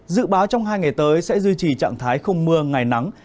dự báo trong hai ngày tới sẽ duy trì trạng thái không mưa ngày nắng